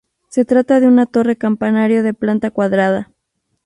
Se trata de una torre campanario de planta cuadrada.